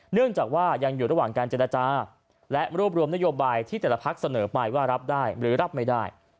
เนื่องจากว่ายังอยู่ระหว่างการเจรจาและรวบรวมนโยบายที่แต่ละพักเสนอไปว่ารับได้หรือรับไม่ได้